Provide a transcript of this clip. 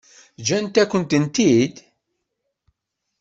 Ǧǧant-akent-tent-id?